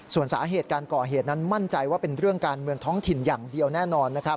ส่วนสาเหตุการก่อเหตุนั้นมั่นใจว่าเป็นเรื่องการเมืองท้องถิ่นอย่างเดียวแน่นอน